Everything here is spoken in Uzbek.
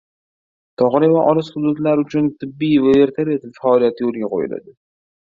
Tog‘li va olis hududlar uchun tibbiy vertolyot faoliyati yo‘lga qo‘yiladi